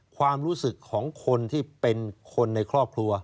ความรู้สึกของคนที่เป็นคนในครอบครัว